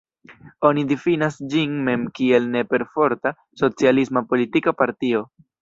Oni difinas ĝin mem kiel ne-perforta socialisma politika partio.